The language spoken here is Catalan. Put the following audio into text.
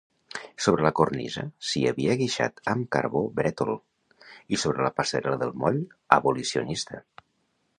Sobre la cornisa s'hi havia guixat amb carbó "Brètol" i sobre la passarel·la del moll "Abolicionista".